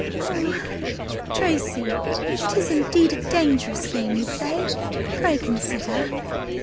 "Oh, Tracy! 'Tis indeed a dangerous game you play. Pray consider!"